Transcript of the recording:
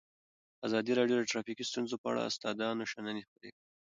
ازادي راډیو د ټرافیکي ستونزې په اړه د استادانو شننې خپرې کړي.